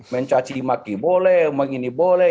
mencaci maki boleh mengini boleh